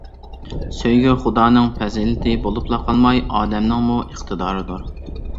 سۆيگۈ خۇدانىڭ پەزىلىتى بولۇپلا قالماي، ئادەمنىڭمۇ ئىقتىدارىدۇر.